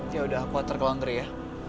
ya udah aku atur ke langger ya